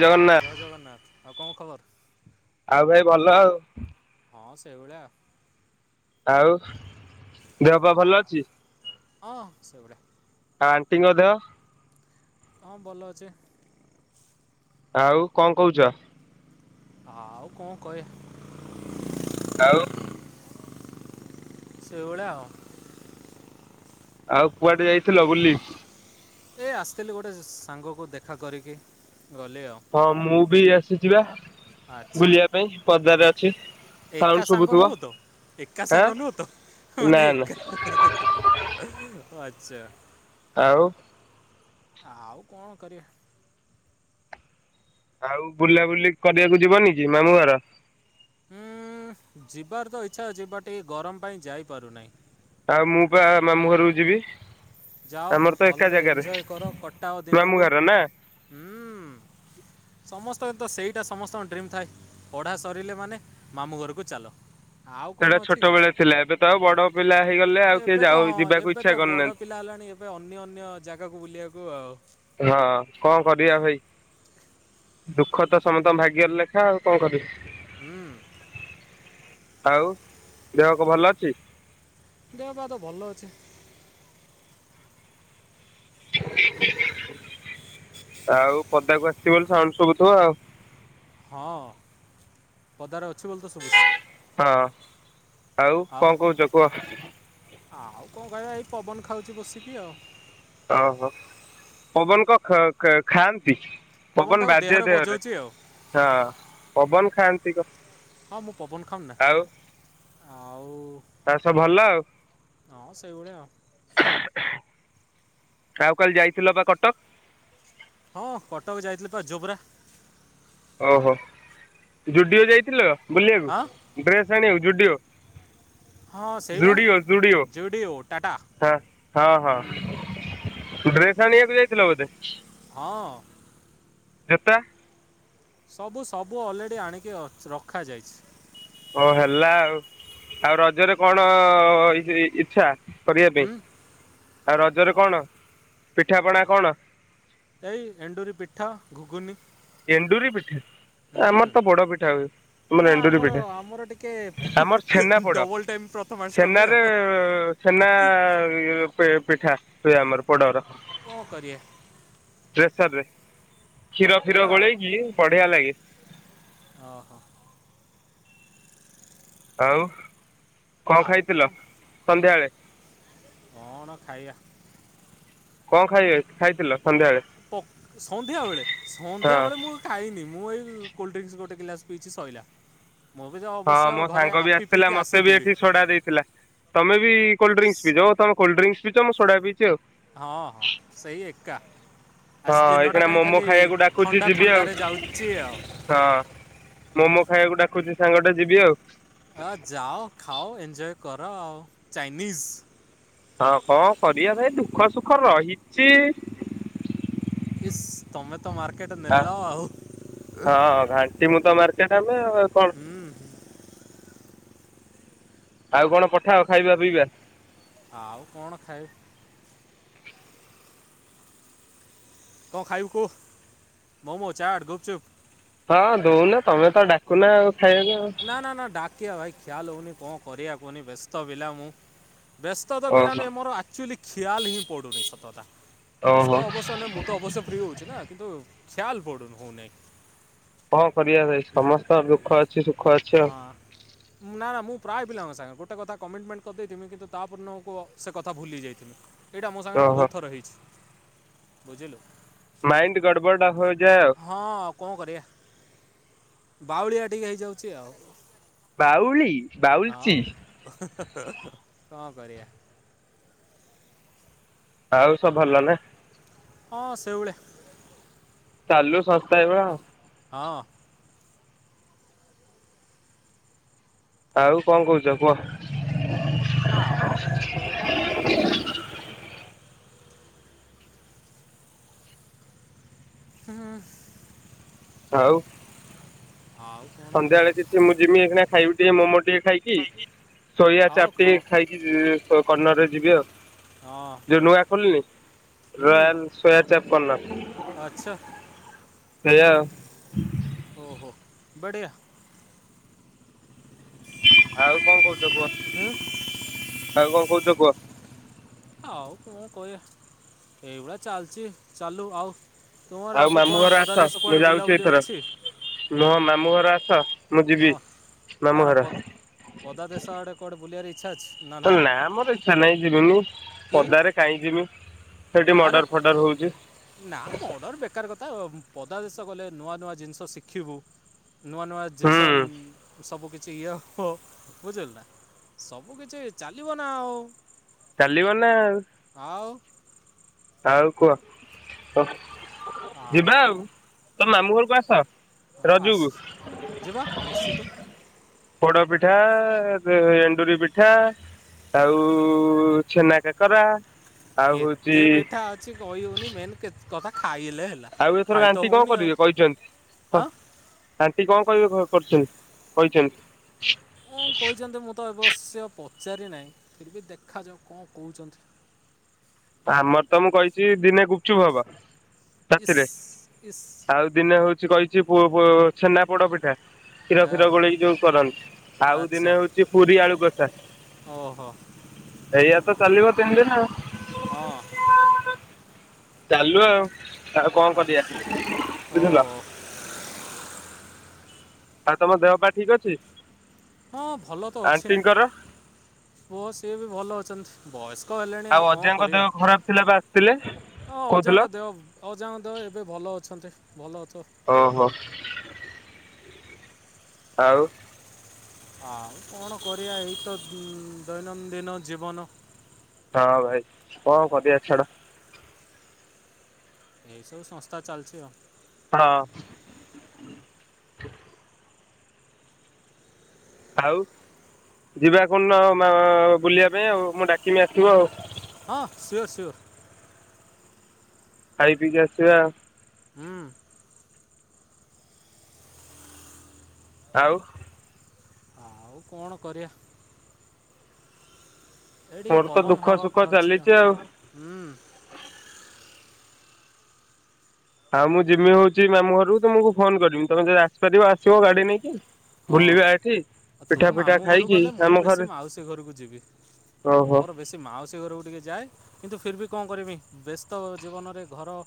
ଜଗନ୍ନାଥ ଜୟ ଜଗନ୍ନାଥ ଆବ୍ କଁ ଖବର? ଆଉ ଭାଇ ଭଲ ଆଉ। ହଁ ସେଇଭଳିଆ। ଆଉ ଦେହ ପା ଆ ଭଲ ଅଛି? ହଁ ସେଇଭଳିଆ ଆନ ଫିଙ୍ଗର ଦେହ? ହଁ ଭଲ ଅଛି। ଆଉ କଣ କହୁଛ? ଆଉ କଣ କହେ ଆଉ ସେଭଳିଆ। ଆଉ କୁଆଡେ ଯାଇଥିଲ ବୁଲି? ଏ ଆସିଥିଲି ଗୋଟେ ସାଙ୍ଗକୁ ଦେଖା କରିକି। ଗଲି ହଁ ମୁଁ ବି ଆସି ଯିବା। ଆଛା ଏକ ସାଉଣ୍ଡ ଏକା ସାଙ୍ଗ ଶୁଭୁଥିବ ନୁହତ ଏକା ଆଁ ସାଙ୍ଗ ନୁହତ ନା ମାନେ ନା ଏକା [unintelligible] ଆଉ। ଆଉ କଣ କରିଆ। ଆଉ ବୁଲାବୁଲି କରିବାକୁ ଯିବନି କି ମାମୁଁ ଘର। ହୁଁ ଯିବାର ତ ଇଚ୍ଛା ଅଛି ବା ଟିକେ ଗରମ ପାଇଁ ଯାଇପାରୁନାହିଁ। ଆଉ ମୁଁ ପା ମାମୁଁଘରକୁ ଯିବି। ଯାଅ ଆମର ତ ଏକା ଭଲରେ ଜାଗାରେ ଏଞ୍ଜୟ କର, କଟାଅ ମାମୁଁ ଦିନକୁ, ଘର ନା ହୁଁ ସମସ୍ତ ତନ୍ତ ସେଇଟା ସମସ୍ତଙ୍କ ଡ୍ରିମ୍ ଥାଏ ପଢ଼ା ସରିଲେ ମାନେ ମାମୁଁଘରକୁ ଚାଲ। ଆଉ କ'ଣ ସେଟା ଅଛି କି ଛୋଟବେେଳେ ଥିଲା, ଏବେ ତ ବଡ ପିଲା ହେଇଗଲେ ଆଉ କିଏ ଏବେ ତ ଯାଉ ହଁ ଯିବାକୁ ଏବେ ତ ଇଛା ବଡ଼ କରିୁନାହାନ୍ତି? ପିଲା ହେଲାଣି ଏବେ ଅନ୍ୟ ଅନ୍ୟ ଜାଗାକୁ ବୁଲିବାକୁ ଆଉ। ହଁ କଣ କରିବା ଭାଇ ଦୁଃଖ ତ ସମସ୍ତଙ୍କ ଭାଗ୍ୟରେ ଲେଖା ଆଉ କଣ କରିବା? ହୁଁ। ଆଉ ଦେହକୁ ଭଲ ଅଛି। ଦେହପା ତ ଭଲ ଅଛି। ଆଉ ପଦାକୁ ଆସିଥିବ ବୋଲି ସାଉଣ୍ଡ ସବୁ ଥିବ ଆଉ। ହଁ ପଦାର ଅ ଅଛି ବୋଲି ତ ଶୁଭୁଚି। ହଁ ଆଉ କଣ କହୁଛ କୁହ? ଆଉ କଣ କହିବା ଏଇ ପବନ ଖାଉଛି ବସିକି ଆଉ। ଓହୋ ପବନ କ କ ଖାଆ ପବନ ପବନଟାକୁ ବାଜେ ଦେହରେ। ବଜଉଛି ଆଉ ପବନ ଖାଆନ୍ତି କ ହଁ ମୁଁ ପବନ ଖାଉନି ଆଉ ନା ଆଉ ଆଉ ସବୁ ଭଲ ଆଉ ହଁ ସେଇଭଳିଆ ଆଉ ଆଉ କାଲି ଯାଇଥିଲ ପା କଟକ। ହଁ କଟକ ଯାଇଥିଲେ ପା ଜୋବ୍ରା ଓହୋ ଯୁଡିଓ ଯାଇଥିଲ। ହଁ ବୁଲିବାକୁ ଡ୍ରେସ ଆଣିିବାକୁ ଜୁଡ଼ିଓ। ହଁ ସେଇ ବା ଜୁଡିଓ ଟାଟା ହଁ ହଁ ହଁ ହୁଁ ହୁଁ ଡ୍ରେସ ଆଣିବାକୁ ଯାଇଥିଲ ବୋଧେ ହଁ। ଯୋତା। ସବୁ ସବୁ ଅଲରେଡ଼ି ଆଣିକି ଅ ରଖାଯାଇଛି। ଓ ହେଲା ଆଉ ଆଉ ରଜରେ କଣ ଇ ଇଛା। କରିବା ପାଇଁ। ହୁଁ ଆଉ ରଜରେ କଣ? ପିଠାପଣା ଆଁ କଣ ଏଇ ଏଣ୍ଡୁରି ପିଠ ଘୁ ଗୁନି। ଏଣ୍ଡୁରି ପିଠା। ଆମର ତ ପୋଡ ପିଠା ହୁଏ, ନା ତୁମର ଏଣ୍ଡୁରି ଆମର ପିଠା ଆମର ଟିକେ ଆମର ଛେନା ପୋଡ ଡବଲ ଟାଇମ୍ ଛେନା ପ୍ରଥମାଷ୍ଟମୀ ରେ ଆଉ ଛେନା ନା ପେ ପିଠା ହୁଏ ଆମର ପୋଡର। କଣ କରିବା! ପ୍ରେସର୍ ରେ କ୍ଷୀର ଫୀର ହେଲା ଗୋଳେଇକି ବଢିଆ ଲାଗେ। ଓ ହୋ। ଆଉ। କଣ ଖାଇଥିଲ ସନ୍ଧ୍ୟାବେଳେ? କଣ ଖାଇବା? କଣ ଖାଇ ଖାଇଜ ଖାଇଥିଲ? ସନ୍ଧ୍ୟାବେଳେ ପ ସନ୍ଧ୍ୟା ବେଳେ ସନ୍ଧ୍ୟା ହଁ ବେଳେ ମୁଁ ଖାଇନି ମୁଁ ଏଇ। କୋଲ୍ଡ ଡ୍ରିଙ୍କସ ଗୋଟେ ଗିଲାସ ପିଇଛି ସଇିଲା। ହଁ ମୋ ସାଙ୍ଗ ବି ଆସିଥିଲା ମତେ ବି ଆସିଥିଲି ଏଠି ସୋଡା ଦେଇଥିଲା ତମେ ବି କୋଲ୍ଡ ଡ୍ରିଙ୍କସ୍ ପିଚ, ଓହ ତମେ କୋଲ୍ଡ ଡ୍ରିଙ୍କଶ୍। ପିଚ ମୁ ସୋଡା ପି। ହଁ ହଁ ସେଇ ଏକା ହଁ ଆଜି ଦିନଟା ଏଇଖିଣା କାହିଁ ମୋମୋ ଖାଲି ଖାଇବାକୁ ଡାକୁଚି ଥଣ୍ଡା ଯିବି ଆଉ ଥଣ୍ଡାରେ ଯାଉଛି ଆଉ। ହଁ। ମୋମୋ ଖାଇବାକୁ ଡାକୁଛି। ସାଙ୍ଗଟେ ଯିବି ଆଉ। ଏ ଯାଅ ଖାଅ ଏଞ୍ଜୟ। କର ଆଉ ଚାଇନିଜ୍। ହଁ କଣ କରିବା ଭାଇ ଦୁଃଖ ସୁଖ ରହିଛି। ଇସ୍ ତମେ ତ ମାର୍କେଟ ଆ ନେଲ ଆଉ। ହଁ ଘାଣ୍ଟି ମୁଁ ମାର୍କେଟ ଆମେ ଆଉ। କଣ। ହୁଁ ଆଉ କଣ ପଠାଅ ଖାଇବା ପିଇବା। ଆଉ କଣ ଖାଇବ? କଣ ଖାଇବୁ କୁହ ମୋମୋ ଚାଟ ଗୁପଚୁପ୍? ହଁ ଦଉନ ତମେ ତ ଡାକୁନ ଆଉ। ଖାଇବାକୁ ଆଉ ନା ନା ନା ଡାକିଆ ଭାଇ ଖିଆଲ ହେଉନି କଣ କରିବା କୁହନି ବ୍ୟସ୍ତ ପିଲା ମୁଁ। ବ୍ୟସ୍ତ ତ ପିଲା ଓହୋ। ନୁହେଁ ମୋର ଆକ୍ଚୁଲି ଖିଆଲ ହିଁ ପଡ଼ୁନି ସତ କଥା। ବେସ୍ତ ଓହୋ ଅବଶ୍ୟ ନାହିଁ ମୁଁ ତ ଅବଶ୍ୟ ଫ୍ରି ରହୁଛି ନା କିନ୍ତୁ। [unintelligible] କଣ କରିବା ଭାଇ ସମସ୍ତଙ୍କ ଦୁଃଖ ଅଛ ହଁ ନା ନା ମୁଁ ପ୍ରାୟ ପିଲାଙ୍କ ସାଙ୍ଗେ ଗୋଟେ କଥା କମିଟମେଣ୍ଟ କରିଦେଇଥିମି କିନ୍ତୁ ତା ପରଦିନକୁ ସେ କଥା ଭୁଲିଯାଇଥିମି। ଏଇଟା ଆମ ସାଙ୍ଗରେ ଓହୋ। ବହୁତ ଥର ହେଇଛି। ବୁଝିଲୁ? ମାଇଣ୍ଡ ଗଡ଼ବଡ଼ ହୋ ହଁ କଣ କରିବା? ବାଉଳିଆ ଟିକେ ହେଇଯାଉଛି ଆଉ। ବାଉଳି? ହଁ ବାଉଲଚି ହେଁ ହାଁ। ହୁଁ ହୁଁ କଣ କରିବା। ଆଉ ସବ ଭଲ ନା? ହଁ ସେ ଭଳିଆ। ଚାଲୁ ସଂସ୍ଥା ଏଇ ଭଳିଆ ଆଉ। ହଁ। ଆଉ କଣ କହୁଛ କୁହ? ଆଉ କଣ କହିବି। [inaudible] ହୁଁ। ଆଉ। ଆଉ କ'ଣ ସନ୍ଧ୍ୟା ବେଳେ କରିବା କିଛି ମୁଁ ଯିବି ଏକନା ଖାଇବି ଟିକେ ମୋମୋ ଟିକେ ଖାଇକି ସୋୟା ଖାଅ ଚାପ୍ ଟିକେ ଖାଅ ଖାଇକି କର୍ଣ୍ଣର ରେ ଯିବି ଆଉ ହଁ ଯୋଉ ନୂଆ ଖୋଲିନି ହୁଁ ରୟାଲ ସୋୟା ଚାପ କର୍ଣ୍ଣର। ଆଚ୍ଛା ସେୟା ଆଉ। ଓହୋ ବଢ଼ିଆ ଆଉ କଣ କହୁଛ ହୁଁ କୁହ ଆଉ କଣ କହୁ ତ କୁହ ଆଉ କଣ କହିବା ଏଇଭଳିଆ ଚାଲିଛି ଚାଲୁ ଆଉ? ତୁମର ଆଉ ଆଗକୁ ମାମୁଁ କ'ଣ ଘର ଆସ ପଦାଦେଶ ମୁଁ କୁଆଡ଼େ ଯାଉଛି ବୁଲାବୁଲି ଏଥର ଅଛି ନୁହ ମାମୁଁ ଘର ଆସ? ହଁ। ହଁ ନା ନା ପଦ୍ ପଦା ଦେଶ ଆଡେ କୁଆଡେ ବୁଲିଆର ଇ ନା ମୋର ଇଚ୍ଛା ନାହିଁ ଯିବିନି। କି ପଦାରେ କାହିଁ ଯିମି। ସେଇଠି ମଡର ଫଡର ହୋଉଚି। ନାଁ ମର୍ଡର ବେକାର କଥା ପଦାଦେଶ ଗଲେ ନୂଆ ନୂଆ ଜିନିଷ ଶିଖିବୁ। ନୂଆ ନୂଆ ଜିନିଷ ହୁଁ। ଉଁ ସବୁ କି ଚିଅ ହୋ ବୁଝିଲୁ ନାଁ ସବୁ କିଛି ଚାଲିବ ନାଁ ଆଉ। ଚାଲିବ ନା ଆଉ। ଆଉ ଆଉ କୁହ ଓ ଆଉ କଣ? ମାମୁଁ ଘରୁକୁ ଆସ। ହଁ ଆସ୍ ରଜକୁ ଯିବା ନିଶ୍ଚିତ। ପୋଡ଼ପିଠା ଦେ ଏଣ୍ଡୁରି ପିଠା ଆଉ ଛେନା କାକରା ଆଉ ହଉଛି କେତେ ପିଠା ଅ ଛି କହି ହୋଉନି ମେନ୍ କେ କଥା ଖାଇ ହେଲା ଆଉ ଏଥରକ ତ ଆଣ୍ଟି କଁ ହେଉନି ଆଉ କରିବେ କହିଚନ୍ତ୍ କଁ ହଁ ଆଣ୍ଟି କଁ କହିବେ କଁ କରିଛନ୍ତି କହିଛନ୍ତି? ଅଁ କହିଛନ୍ତି ମୁଁ ତ ଅବଶ୍ୟ ପ ଚାରି ନାହିଁ ଫିର ବି ଦେଖାଯାଉ କଁ କୋଉଚନ୍ତି। ଆମର ତ ମୁଁ କହିଚି ଦିନେ ଗୁପଚୁପ ହବ ଇସ୍ ରାତିରେ ଇସ୍ ଆଉ ଦିନେ ହୋଉ ଛି କହିଚି ପୁଅ ପୋ ଛେନା ପୋଡ଼ପିଠା। କ୍ଷୀର ଏ ଫୀର ଗୋଳେଇକି ଯୋଉ କରନ୍ତି ଆଉ ଆଚ୍ଛା ଦିନେ ହୋଉଚି ପୁରୀ ଆଳୁ କଷା ଓହୋ ଏଇଆ ତ ଚାଲିବ ତିନି ଦିନ ଆଉ। ହଁ। ଚାଲୁ ଆଉ। ଆଉ କଣ କରିଆ ଆଚ୍ଛା ବୁଝିଲ। ଓହୋ ଆଉ ତମ ଦେହ ପା ଠିକ ଅଛି? ହଁ ଭଲ ତ ଅଛି ଆଣ୍ଟିଙ୍କର ପୁଅ ସିଏ ବି ଭଲ ଅଛନ୍ତି। ବୟସ କ ହେଲେଣି ଆଉ କଁ ଅଜାଙ୍କ ଦେହ କରିବା ଖରାପ ଥିଲା ବା ଆସିଥିଲେ ହଁ କହୁଥିଲ ଅଜାଙ୍କ ଦେହ ଅଜାଙ୍କ ଦେହ ଏବେ ଭଲ ଅଛନ୍ତି। ଭଲ ଅଛ ଓ ହୋ। ଆଉ ଆଉ କଣ କରିବା ଏଇ ତ ଦି ଦୈନନ୍ଦିନ ଜୀବନ। ହ ଭାଇ କଁ କରିଆ ଛାଡ଼। ଏଇ ସବୁ ସଂସ୍ଥା ଚାଲଚି ଆଉ। ହଁ। ଆଉ ଯିବା କୋଉଦିନ ଆଉ ବୁଲିବା ପାଇଁ ଆଉ ମୁଁ ଡାକିମି ଆସିବ ଆଉ। ହଁ ସିଓର ସିଓର। ଖାଇ ପିଇକି ଆସିବା। ହୁଁ। ଆଉ ଆଉ କଣ କରିବା? ଏ ଟିକେ ମୋର ତ ପବନ ଦୁଃଖ ହବା ସୁଖ ଖାଉଛି ଆଉ ଚାଲିଛି ହୁଁ। ଆଉ ମୁଁ ଯିମି ହଉଛି ମାମୁ ଘରକୁ ତମକୁ ଫୋନ କରିବି ତମେ ଯଦି ଆସିପାରିବ ଆସିବ ଗାଡି ନେଇକି? ବୁଲିବା ଏଠି ହଁ ତୁ ପିଠା ଫିଠା ମାମୁଁ ଘରୁକୁ ଖାଇକି ଗଲେ ମୁଁ ଆମ ବେଶୀ ଘରେ ମାଉସୀ ଘରକୁ ଯିବି ଓହୋ ମୋର ବେଶୀ ମାଉସୀ ଘରକୁ ଟିକେ ଯାଏ କିନ୍ତୁ ଫିର ବି କଣ କରିମି ବ୍ୟସ୍ତ ଜୀବନରେ ଘର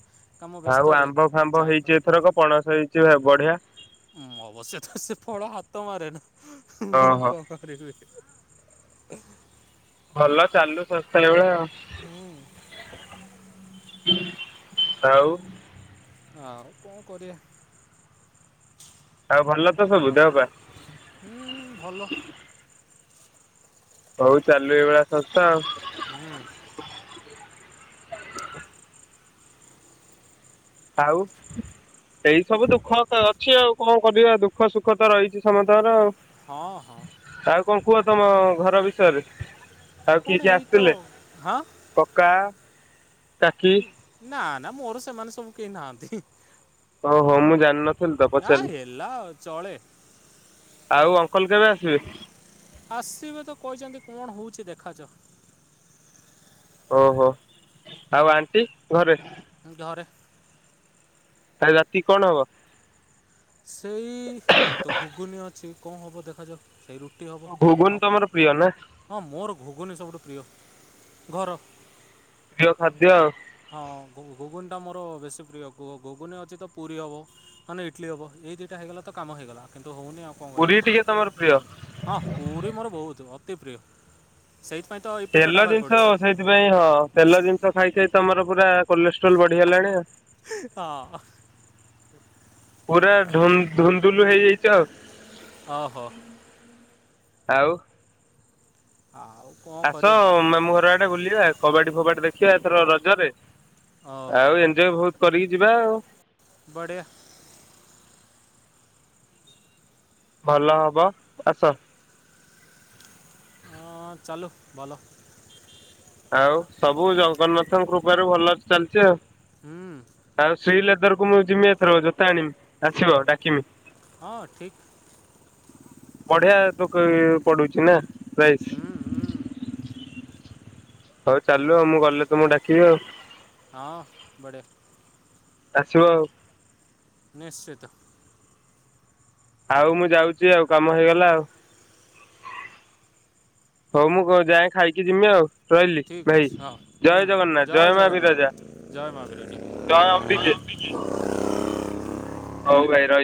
କାମ ଆଉ ବ୍ୟସ୍ତରେ ଆମ୍ବ ଫାମ୍ବ ଯାଇପାରେ ହେଇଚି ଏଥରକ ପଣସ ହେଇଚି ବଢିଆ। ମୁଁ ଅବଶ୍ୟ ତ ସେ ଫଳ ହାତ ମାରେନ ମୁଁ ଓହୋ। କଣ କରିବି? [inaudible] ଭଲ ଚାଲୁ ଶସ୍ତା ଏଇ ଭଳିଆ ଆଉ। ହୁଁ। ଆଉ ଆଉ କଣ କରିବା? ଆଉ ଭଲ ତ ସବୁ ଦେହ ପା ହୁଁ ଭଲ ହଉ ଚାଲୁ ଏଇ ଭଳିଆ ଶସ୍ତା ଆଉ। [inaudible] ଆଉ ଏଇ ସବୁ ଦୁଃଖ ଅଛି ଆଉ କଣ କରିବା ଦୁଃଖ ସୁଖ ତ ରହିଛି ସମସ୍ତଙ୍କର ଆଉ। ହଁ। ଆଉ କଣ କୁହ ତମ ଘର ବିଷୟରେ ଆଉ କିଏ କଣ କିଏ ଏଇ ତ ଆସିଥିଲେ ହଁ କକା କାକି ନା ନା ମୋରି ସେମାନେ ସବୁ କେହି ନାହାନ୍ତି। ହଉ ହଉ ମୁଁ ଜାଣିନି। ନାଁ ହେଲା ଆଉ ଚଳେ। ଆଉ ଅଙ୍କଲ କେବେ ଆସିବେ? ଆସିବେ ତ କହିଛନ୍ତି କଣ ହଉଛି ଦେଖାଯାଉ? ଓହୋ। ଆଉ ଆଣ୍ଟି ଘରେ। ଘରେ। କାଲି ରାତି କଣ ହବ? ସେଇ ମୁଁ ତ ଘୁଗୁନି ଅଛି କଣ ହେବ ଦେଖାଯାଉ? ଟି ହେବ ଘୁଗୁନି ଆଉ କଣ ତମର ପ୍ରିୟ ନା ହଁ ମୋର ଘୁଗୁନୀ ସବୁଠୁ ପ୍ରିୟ। ଘର ପ୍ରିୟ ଖାଦ୍ୟ ଆ ହଁୁ ଟା ମୋର ବେଶୀ ପ୍ରିୟ ଘୁଗୁନି ଅଛି ତ ପୁରୀ ହବ ମାନେ ଇଟଲି ହବ ଏ ଦିଟା ହେଇଗଲା ତ କାମ ହେଇଗଲା ହଉନି ଆ--ଉ କଣ କରିବି ପୁରୀ ଟିକେ ତମର ପ୍ରିୟ। ହଁ ପୁରୀ ମୋର ବହୁତ ଅତି ପ୍ରିୟ। ସେଇଥିପାଇଁ ତ ଏଇ ପେଟଟା ତେଲ ବାହାରି ଜିନିଷ ପଡ଼ୁଛି ସେଇଥିପାଇଁ ହଁ ତେଲ ଜିନିଷ ଖାଇକି ତମର ପୁରା କଲେଷ୍ଟ୍ରୋଲ ବଢି଼ଗଲାଣି ଆଉ। ହଁ। ପୁରା ଧୁ ଧୁନ୍ଦୁଲୁ ହେଇଯାଇଚ ଆଉ। ଅ ହୋ ଆଉ ଆଉ କ'ଣ ଆସ କରିବା ମାମୁଁ ଘର ଆଡ଼େ ବୁଲିବା ଆଉ। କବାଡି ଫୋବାଡି ଦେଖିବା ଏଥର ରଜରେ। ଓହୋ ଆଉ ଏଞ୍ଜୟ୍ ଭୋଉତ କରିକି ଯିବା ଆଉ। ବଢ଼ିଆ। ଭଲ ହବ ଆସ। ହଁ ଚାଲୁ ଭଲ। ଆଉ ସବୁ ଜଗନ୍ନାଥଙ୍କ କୃପାରୁ ଭଲ ଚାଲିଚି ଆଉ। ହୁଁ ଆଉ ଶ୍ରୀଲେଦର କୁ ମୁଁ ଯିମି ଏଥରକ ଜୋତା ଆଣିମି ଆସିବ ଆଉ ଡାକମି। ହଁ ଠିକ୍ ବଢ଼ିଆ ଦୋକ ପଡୁଚି ନାଁ। ହୁଁ ହୁଁ। ହଉ ଚାଲୁ ଆଉ ମୁଁ ଗଲେ ତୁମୁ ଡାକିବି ଆଉ। ହଁ ବଢ଼ିଆ। ଆସିବ ଆଉ। ନିଶ୍ଚିତ। ଆଉ ମୁଁ ଯାଉଚି ଆଉ କାମ ହେଇଗଲା ଆଉ। ହଉ ମୁଁ କ ଯାଏ ଖାଇକି ଯିମି ଆଉ। ରହିଲି ଠିକ୍ ଭାଇ ଅଛି ହଁ ହୁ ଜୟ ହୁ ଜଗନ୍ନାଥ ଜୟ ମା ବିରଜା ଜଗନ୍ନାଥ ଜୟ ମା ବିରଜା ମା ଅମ୍ବିକେ। ହଉ ଭାଇ ରହିଲି